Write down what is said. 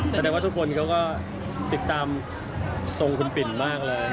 แสดงว่าทุกคนเขาก็ติดตามทรงคุณปิ่นมากเลย